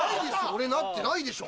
俺なってないでしょ。